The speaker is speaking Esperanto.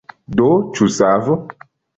Do, ĉu savo?